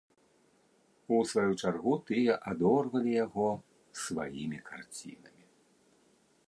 У сваю чаргу тыя адорвалі яго сваімі карцінамі.